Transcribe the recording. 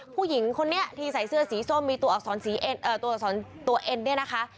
ผู้หญิงคนนี้ที่ใส่เสื้อสีส้มมีตัวอักษรสีเอ็ดเอ่อตัวอักษรตัวเอ็ดเนี้ยนะคะ